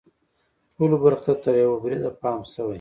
ټولو برخو ته تر یوه بریده پام شوی.